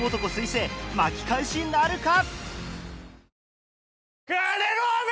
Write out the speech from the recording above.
彗星巻き返しなるか？